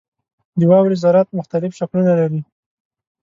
• د واورې ذرات مختلف شکلونه لري.